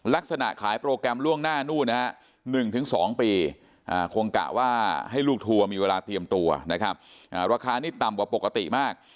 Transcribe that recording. ลักษณะขายโปรแกรมล่วงหน้านู่นนะฮะ๑๒ปีคงกะว่าให้ลูกทัวร์มีเวลาเตรียมตัวนะครับราคานี่ต่ำกว่าปกติมาก